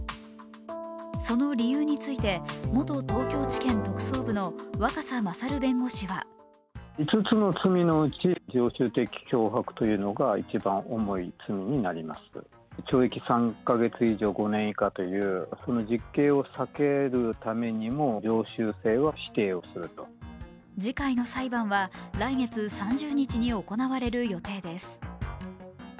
その理由について元東京地検特捜部の若狭勝弁護士は次回の裁判は来月３０日に行われる予定です。